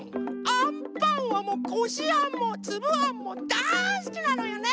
アンパンはもうこしあんもつぶあんもだいすきなのよね！